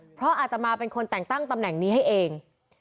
เพราะอาตมาเป็นคนแต่งตั้งตำแหน่งนี้ให้เอง